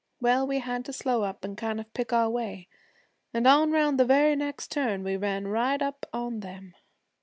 Well, we had to slow up an' kind of pick our way, and on round the very next turn we ran right up on them.'